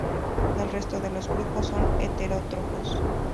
El resto de los grupos son heterótrofos.